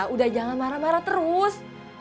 udah jangan marah marah terus